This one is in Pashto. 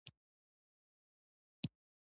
د مځکو په مالیاتو کې بله ستونزه هم شته.